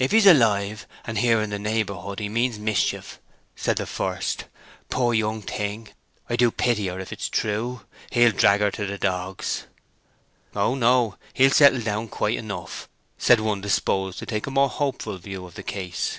"If he's alive and here in the neighbourhood, he means mischief," said the first. "Poor young thing: I do pity her, if 'tis true. He'll drag her to the dogs." "O no; he'll settle down quiet enough," said one disposed to take a more hopeful view of the case.